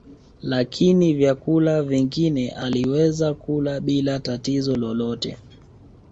Lakini vyakula vingine aliweza kula bila tatizo lolote